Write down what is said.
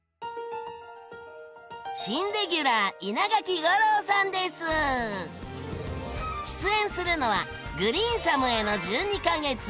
新レギュラー出演するのは「グリーンサムへの１２か月」。